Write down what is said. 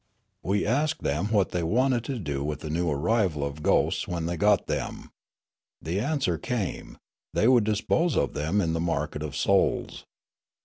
" We asked them wdiat they wanted to do with the new arrival of ghosts when they got them. The an swer came; they would dispose of them in the market of souls.